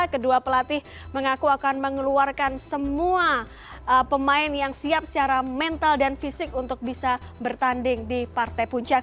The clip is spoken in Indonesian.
kedua pelatih mengaku akan mengeluarkan semua pemain yang siap secara mental dan fisik untuk bisa bertanding di partai puncak